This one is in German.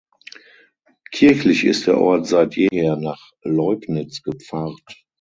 Kirchlich ist der Ort seit jeher nach Leubnitz gepfarrt.